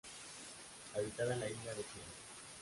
Habita en la isla de Sicilia.